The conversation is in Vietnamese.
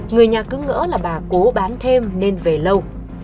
người nhà cứ ngỡ là bà cố bán thêm nên về lâu